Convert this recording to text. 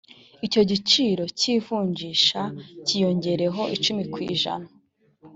icyo giciro cy ivunjisha cyiyongereyeho icumi ku ijana